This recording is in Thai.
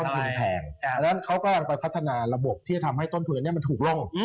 เพิ่งแพงเขาก็กันโปรดพัฒนาระบบที่จะทำให้ต้นพืชนี้มันถูกลง